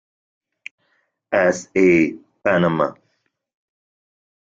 S. A., Panama.